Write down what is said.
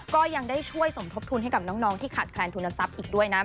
ก็ยังได้ช่วยสมทบทุนให้กับน้องที่ขาดแคลนทุนทรัพย์อีกด้วยนะ